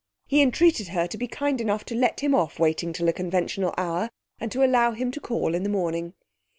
He entreated her to be kind enough to let him off waiting till a conventional hour, and to allow him to call in the morning.